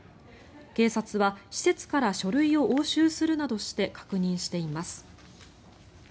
警察は施設から書類を押収するなどして確認しています。